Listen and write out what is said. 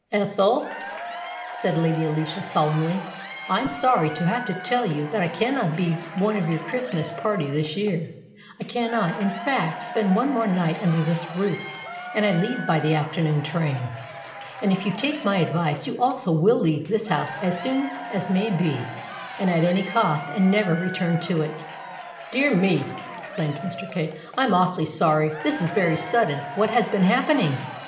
"Ethel," said Lady Alicia solemnly, "I am sorry to have to tell you that I cannot be one of your Christ mas party this year. I cannot, in fact, spend one more night under this roof, and I leave by the after noon train. And, if you take my advice, you also will leave this house as soon as may be and at any cost, and never return to it." "Dear me!" exclaimed Mr. Kay, "I'm awfully sorry. This is very sudden. What has been happen ing?"